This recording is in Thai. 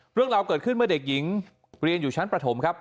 เรื่องราวเกิดขึ้นเมื่อเด็กหญิงเรียนอยู่ชั้นประถมครับ